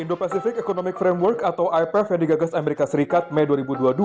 indo pacific economic framework atau ipf yang digagas amerika serikat mei dua ribu dua puluh dua